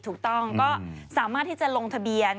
ถูกต้องก็สามารถที่จะลงทะเบียน